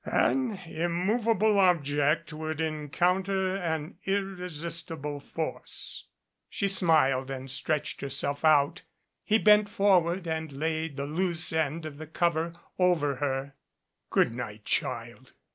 '* "An immovable object would encounter an irresistible force." She smiled and stretched herself out. He bent forward and laid the loose end of the cover over her. "Good night, child.